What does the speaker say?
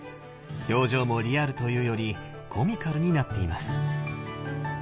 表情もリアルというよりコミカルになっています。